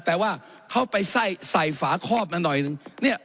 แต่ว่าเขาไปใส่ใส่ฝาคอบมาหน่อยหนึ่งเนี่ย